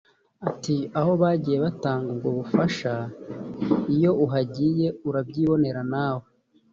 Ati” Aho bagiye batanga ubwo bufasha iyo uhagiye urabyibonera nawe